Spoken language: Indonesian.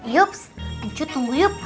yups ancu tunggu yup